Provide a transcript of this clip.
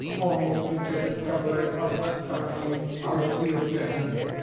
All future discoveries of Astronomy are revealed to him.